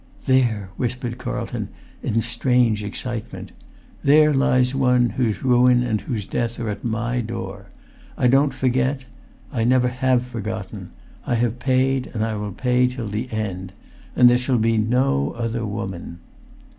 "There," whispered Carlton, in strange excitement, "there lies one ... whose ruin and whose death are at my door. I don't forget—I never have forgotten. I have paid, and I will pay till the end. And there shall be no other woman